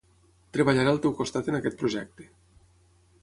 Treballaré al teu costat en aquest projecte.